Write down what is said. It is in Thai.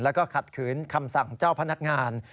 แล้วก็ขัดขืนคำสั่งเจ้าพนักงาน